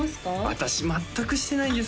私全くしてないんですよ